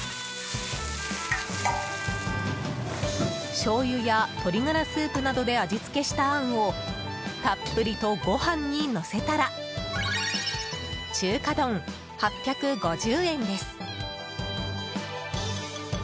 しょうゆや鶏ガラスープなどで味付けしたあんをたっぷりとご飯にのせたら中華丼、８５０円です。